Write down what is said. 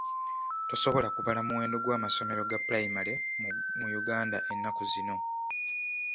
Tosobola kubala muwendo gw'amasomero ga pulayimale mu Uganda ennaku zino.